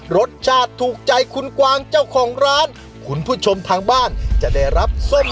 รสชาติถูกใจคุณกวางเจ้าของร้านคุณผู้ชมทางบ้านจะได้รับส้ม